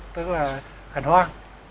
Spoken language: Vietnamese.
tức là khẩn hoang